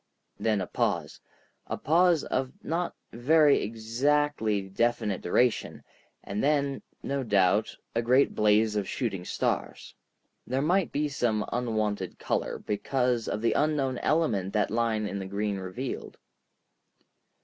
Then a pause—a pause of not very exactly definite duration—and then, no doubt, a great blaze of shooting stars. They might be of some unwonted color because of the unknown element that line in the green revealed.